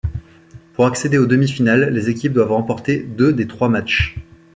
Pour accéder aux demi-finales les équipes doivent remporter deux des trois matches.